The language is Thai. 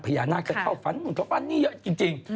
พยานาคจะเข้าฝันอยู่ข้างนี้เยอะจริง